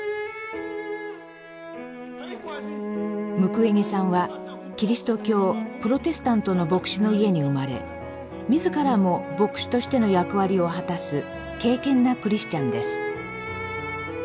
ムクウェゲさんはキリスト教プロテスタントの牧師の家に生まれ自らも牧師としての役割を果たす敬虔なクリスチャンです。